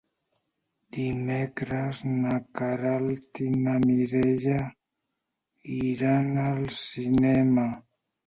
Dimecres na Queralt i na Mireia iran al cinema.